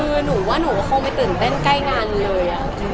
คือหนูว่าหนูก็คงไม่ตื่นเต้นใกล้งานเลย